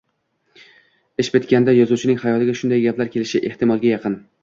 Ish bitganda yozuvchining xayoliga shunday gaplar kelishi ehtimolga yaqin